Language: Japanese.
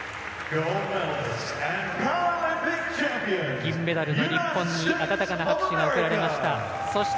銀メダルの日本に温かな拍手が送られました。